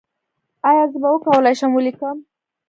ایا زه به وکولی شم ولیکم؟